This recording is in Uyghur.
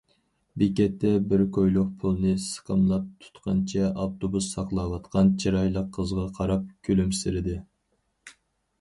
بېكەتتە بىر كويلۇق پۇلنى سىقىملاپ تۇتقىنىچە ئاپتوبۇس ساقلاۋاتقان چىرايلىق قىزغا قاراپ كۈلۈمسىرىدى.